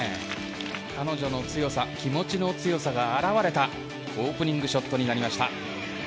彼女の強さ気持ちの強さが表れたオープニングショットになりました。